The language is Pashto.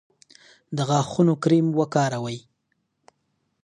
د غاښونو کریم وکاروئ.